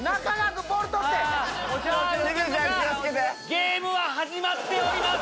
ゲームは始まっております！